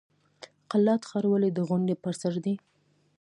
قلات ښار ولې د غونډۍ په سر دی؟